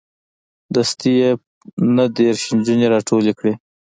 دستې یې نه دېرش نجونې راټولې کړې.